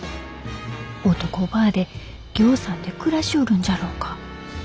男ばあでぎょうさんで暮らしょるんじゃろうか。